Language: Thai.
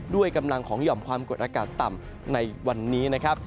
ด้วยกำลังของหย่อมความกดอากาศต่ำในวันนี้นะครับ